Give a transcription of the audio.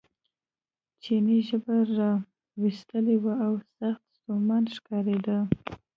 چیني ژبه را ویستلې وه او سخت ستومانه ښکارېده.